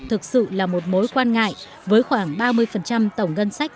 thực sự là một mối quan ngại với khoảng ba mươi tổng ngân sách